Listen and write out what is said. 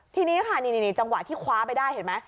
ทีนี้ค่ะนี่จังหวะที่คว้าไปได้เห็นไหม